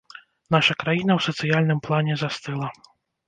Наша краіна ў сацыяльным плане застыла.